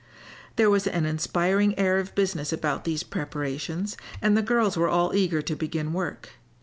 There was an inspiring air of business about these preparations, and the girls were all eager to begin work.